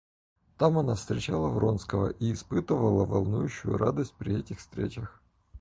Там она встречала Вронского и испытывала волнующую радость при этих встречах.